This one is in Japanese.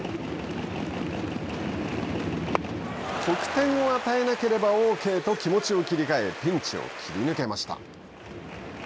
得点を与えなければオーケーと気持ちを切り替えピンチを切り抜けました。